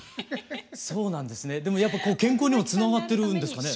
そうなんですねでもやっぱ健康にもつながってるんですかね。